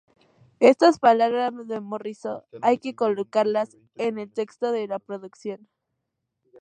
Estas palabras de Morrison hay que colocarlas en el contexto de la producción.